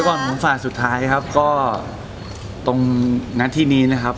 ก่อนของฝ่ายสุดท้ายครับก็ตรงหน้าที่นี้นะครับ